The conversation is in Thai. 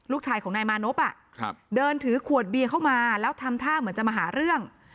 ลูกชายของนายมานพเดินถือขวดเบียเข้ามาแล้วทำท่าเหมือนจะมาหาเรื่อง